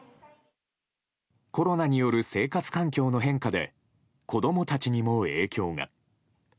コロナによる生活環境の変化で子供たちにも影響が。